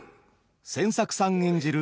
千作さん演じる